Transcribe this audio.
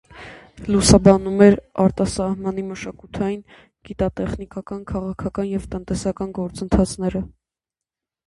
Լուսաբանում էր արտասահմանի մշակութային, գիտատեխնիկական, քաղաքական և տնտեսական գործընթացները։